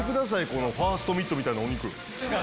このファーストミットみたいなお肉。